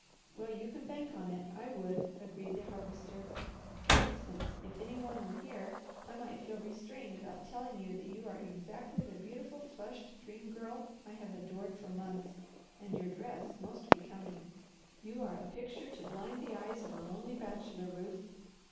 "Well, you can bank on it, I would," agreed the Harvester. "For instance, if any one were here, I might feel restrained about telling you that you are exactly the beautiful, flushed Dream Girl I have adored for months, and your dress most becoming. You are a picture to blind the eyes of a lonely bachelor, Ruth."